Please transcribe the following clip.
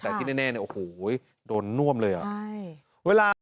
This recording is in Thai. แต่ที่แน่โอ้โหโว้ยโดนน่วมเลยอ่ะ